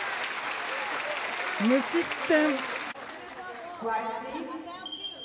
無失点。